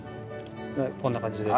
こんな感じで。